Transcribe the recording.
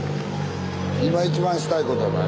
今一番したいことは何や？